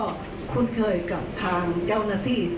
เข้าเชื่อว่าคุ้นเคยกับทางเจ้าหน้าที่